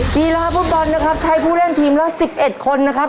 ภีราผู้บอลนะครับชายผู้เล่นทีมละสิบเอ็ดคนนะครับ